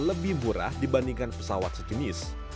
lebih murah dibandingkan pesawat sejenis